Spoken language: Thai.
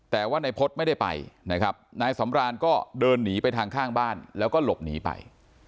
แต่ว่านายพฤษไม่ได้ไปนะครับนายสำรานก็เดินหนีไปทางข้างบ้านแล้วก็หลบหนีไป